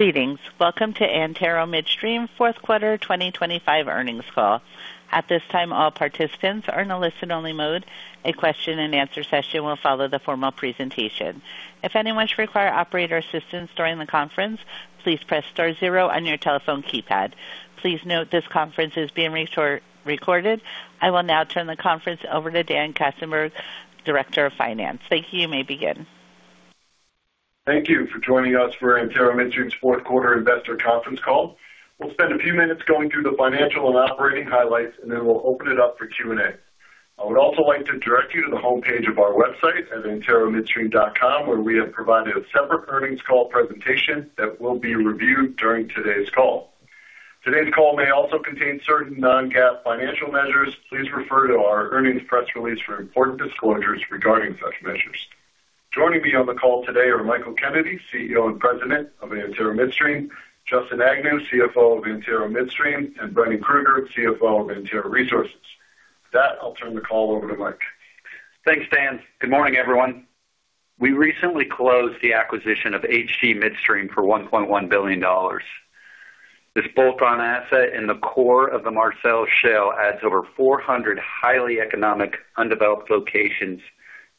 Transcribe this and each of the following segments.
Greetings. Welcome to Antero Midstream fourth quarter 2025 earnings call. At this time, all participants are in a listen-only mode. A question-and-answer session will follow the formal presentation. If anyone should require operator assistance during the conference, please press star zero on your telephone keypad. Please note, this conference is being recorded. I will now turn the conference over to Dan Katzenberg, Director of Finance. Thank you. You may begin. Thank you for joining us for Antero Midstream's fourth quarter investor conference call. We'll spend a few minutes going through the financial and operating highlights, and then we'll open it up for Q&A. I would also like to direct you to the homepage of our website at anteromidstream.com, where we have provided a separate earnings call presentation that will be reviewed during today's call. Today's call may also contain certain non-GAAP financial measures. Please refer to our earnings press release for important disclosures regarding such measures. Joining me on the call today are Michael Kennedy, CEO and President of Antero Midstream, Justin Agnew, CFO of Antero Midstream, and Brendan Krueger, CFO of Antero Resources. With that, I'll turn the call over to Mike. Thanks, Dan. Good morning, everyone. We recently closed the acquisition of HG Midstream for $1.1 billion. This bolt-on asset in the core of the Marcellus Shale adds over 400 highly economic, undeveloped locations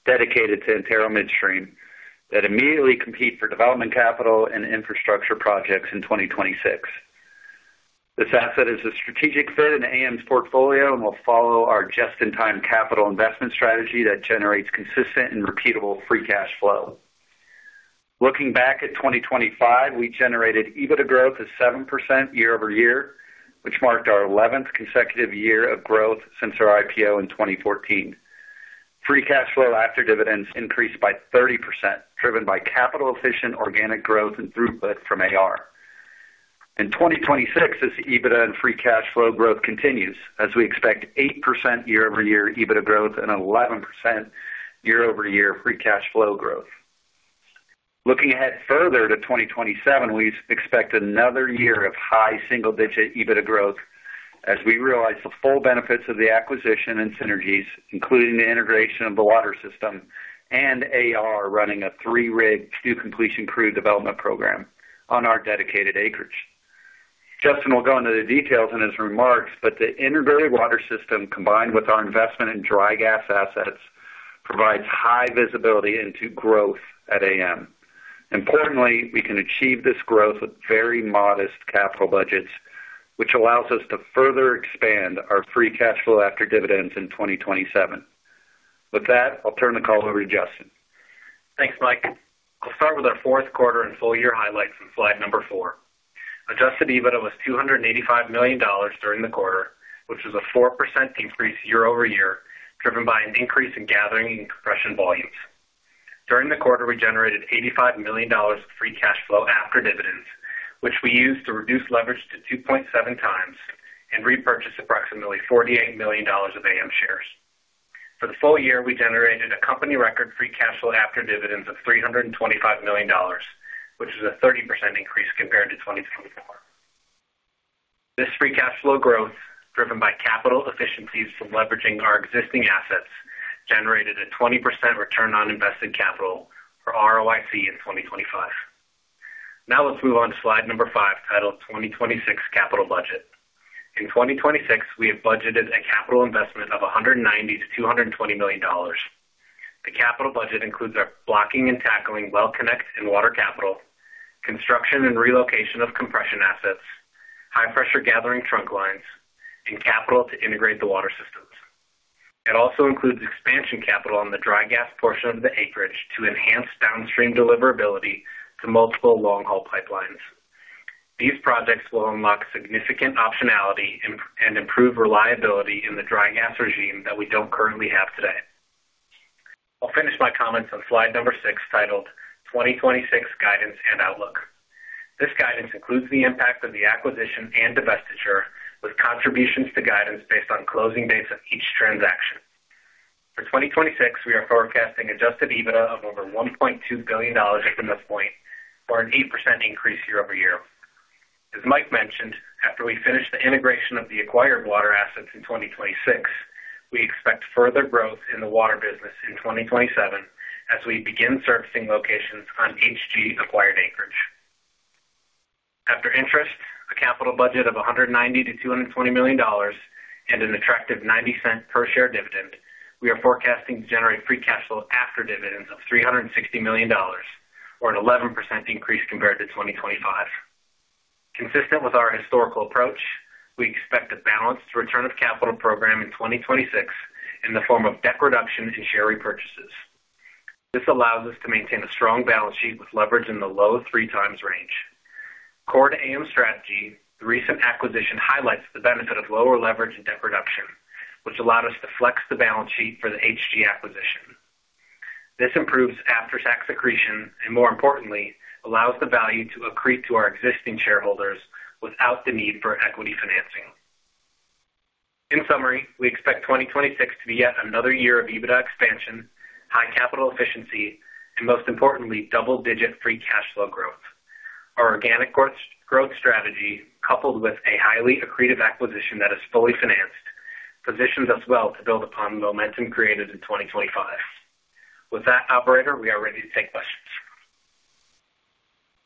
dedicated to Antero Midstream that immediately compete for development, capital, and infrastructure projects in 2026. This asset is a strategic fit in AM's portfolio and will follow our just-in-time capital investment strategy that generates consistent and repeatable free cash flow. Looking back at 2025, we generated EBITDA growth of 7% year-over-year, which marked our eleventh consecutive year of growth since our IPO in 2014. Free cash flow after dividends increased by 30%, driven by capital-efficient organic growth and throughput from AR. In 2026, this EBITDA and free cash flow growth continues as we expect 8% year-over-year EBITDA growth and 11% year-over-year free cash flow growth. Looking ahead further to 2027, we expect another year of high single-digit EBITDA growth as we realize the full benefits of the acquisition and synergies, including the integration of the water system and AR, running a 3-rig, 2-completion crew development program on our dedicated acreage. Justin will go into the details in his remarks, but the Integrated water system, combined with our investment in dry gas assets, provides high visibility into growth at AM. Importantly, we can achieve this growth with very modest capital budgets, which allows us to further expand our free cash flow after dividends in 2027. With that, I'll turn the call over to Justin. Thanks, Mike. I'll start with our fourth quarter and full-year highlights on slide 4. Adjusted EBITDA was $285 million during the quarter, which is a 4% increase year-over-year, driven by an increase in gathering and compression volumes. During the quarter, we generated $85 million of free cash flow after dividends, which we used to reduce leverage to 2.7x and repurchase approximately $48 million of AM shares. For the full year, we generated a company record free cash flow after dividends of $325 million, which is a 30% increase compared to 2024. This free cash flow growth, driven by capital efficiencies from leveraging our existing assets, generated a 20% return on invested capital for ROIC in 2025. Now let's move on to slide 5, titled 2026 Capital Budget. In 2026, we have budgeted a capital investment of $190 million-$220 million. The capital budget includes our blocking and tackling well connects and water capital, construction and relocation of compression assets, high-pressure gathering trunk lines, and capital to integrate the water systems. It also includes expansion capital on the dry gas portion of the acreage to enhance downstream deliverability to multiple long-haul pipelines. These projects will unlock significant optionality and improve reliability in the dry gas regime that we don't currently have today. I'll finish my comments on slide number 6, titled 2026 Guidance and Outlook. This guidance includes the impact of the acquisition and divestiture, with contributions to guidance based on closing dates of each transaction. For 2026, we are forecasting Adjusted EBITDA of over $1.2 billion from this point, or an 8% increase year-over-year. As Mike mentioned, after we finish the integration of the acquired water assets in 2026, we expect further growth in the water business in 2027 as we begin servicing locations on HG-acquired acreage. After interest, a capital budget of $190 million-$220 million, and an attractive $0.90 per share dividend, we are forecasting to generate free cash flow after dividends of $360 million, or an 11% increase compared to 2025. Consistent with our historical approach, we expect a balanced return of capital program in 2026 in the form of debt reduction and share repurchases. This allows us to maintain a strong balance sheet with leverage in the low 3x range. Core to AM's strategy, the recent acquisition highlights the benefit of lower leverage and debt reduction, which allowed us to flex the balance sheet for the HG acquisition. This improves after-tax accretion and, more importantly, allows the value to accrete to our existing shareholders without the need for equity financing. In summary, we expect 2026 to be yet another year of EBITDA expansion, high capital efficiency, and most importantly, double-digit free cash flow growth. Our organic growth strategy, coupled with a highly accretive acquisition that is fully financed, positions us well to build upon the momentum created in 2025. ...With that, operator, we are ready to take questions.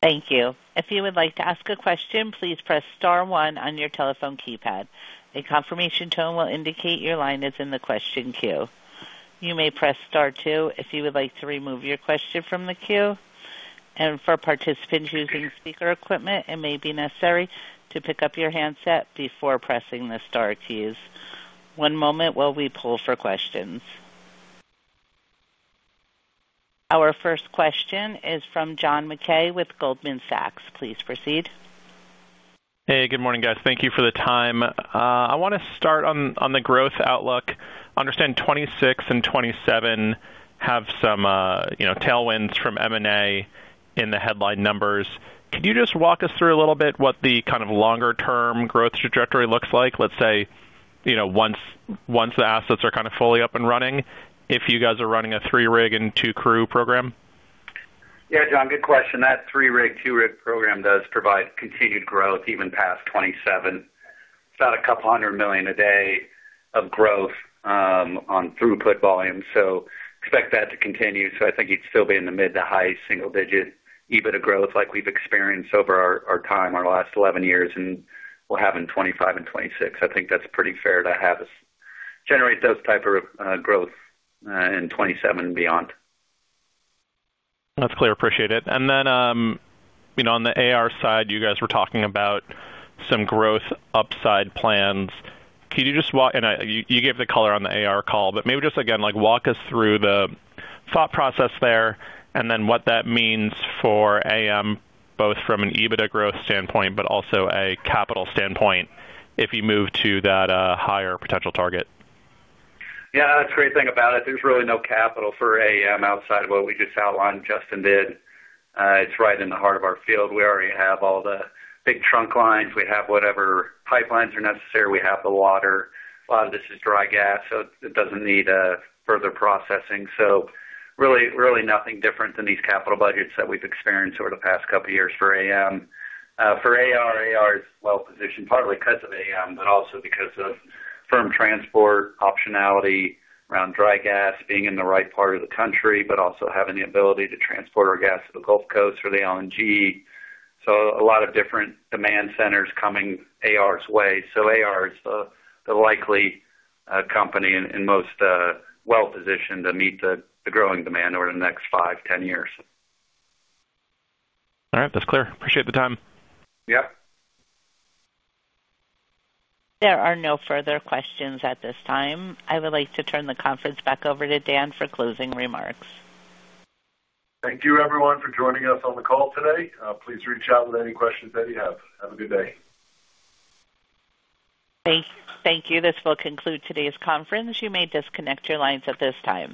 Thank you. If you would like to ask a question, please press star one on your telephone keypad. A confirmation tone will indicate your line is in the question queue. You may press star two if you would like to remove your question from the queue. For participants using speaker equipment, it may be necessary to pick up your handset before pressing the star keys. One moment while we pull for questions. Our first question is from John MacKay with Goldman Sachs. Please proceed. Hey, good morning, guys. Thank you for the time. I want to start on the growth outlook. I understand 2026 and 2027 have some, you know, tailwinds from M&A in the headline numbers. Could you just walk us through a little bit what the kind of longer-term growth trajectory looks like? Let's say, you know, once the assets are kind of fully up and running, if you guys are running a 3-rig and 2-rig program. Yeah, John, good question. That 3-rig, 2-rig program does provide continued growth even past 2027. It's about 200 million a day of growth on throughput volume, so expect that to continue. So I think you'd still be in the mid- to high single-digit EBITDA growth like we've experienced over our time, our last 11 years, and we'll have in 2025 and 2026. I think that's pretty fair to have us generate those type of growth in 2027 and beyond. That's clear. Appreciate it. And then, you know, on the AR side, you guys were talking about some growth upside plans. Can you just walk... And, you gave the color on the AR call, but maybe just again, like walk us through the thought process there and then what that means for AM, both from an EBITDA growth standpoint, but also a capital standpoint, if you move to that, higher potential target. Yeah, that's a great thing about it. There's really no capital for AM outside of what we just outlined, Justin did. It's right in the heart of our field. We already have all the big trunk lines. We have whatever pipelines are necessary. We have the water. A lot of this is dry gas, so it doesn't need further processing. So really, really nothing different than these capital budgets that we've experienced over the past couple of years for AM. For AR, AR is well positioned, partly because of AM, but also because of firm transport, optionality around dry gas, being in the right part of the country, but also having the ability to transport our gas to the Gulf Coast for the LNG. So a lot of different demand centers coming AR's way. So AR is the likely company in most well-positioned to meet the growing demand over the next 5-10 years. All right. That's clear. Appreciate the time. Yep. There are no further questions at this time. I would like to turn the conference back over to Dan for closing remarks. Thank you, everyone, for joining us on the call today. Please reach out with any questions that you have. Have a good day. Thank you. This will conclude today's conference. You may disconnect your lines at this time.